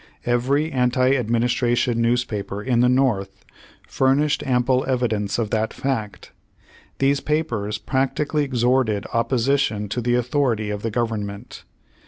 Every anti administration newspaper in the North furnished ample evidence of that fact. These papers practically exhorted opposition to the authority of the government.